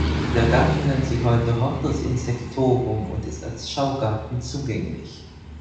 Der Garten nennt sich heute ‚Hortus Insectorum‘ und ist als Schaugarten zugänglich.